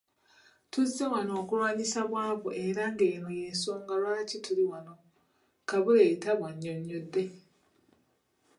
Tuzze wano okulwanyisa bwavu era ng'eno y'ensonga lwaki tuli wano,” Kabuleta bw'annyonnyodde.